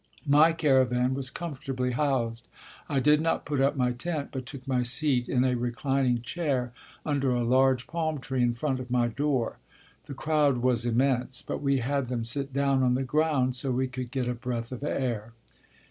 My caravan was comfortably housed. I did not put up my tent, but took my seat in a reclining chair under a large palm tree in front of my door. The crowd was immense, but we had them sit down on the ground so we could get a breath of air.